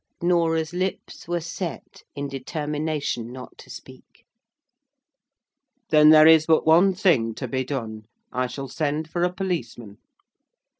Norah's lips were set in determination not to speak. "Then there is but one thing to be done. I shall send for a policeman."